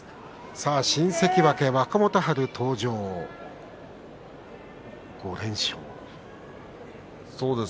新関脇若元春登場です。